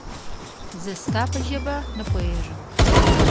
زه ستا په ژبه نه پوهېږم